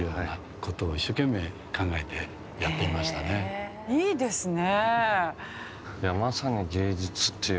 へえいいですね。